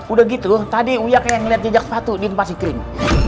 udah gitu tadi uya kayak ngeliat jejak sepatu di tempat si kering